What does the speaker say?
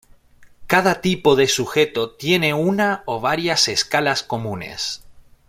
Cada tipo de sujeto tiene una o varias escalas comunes.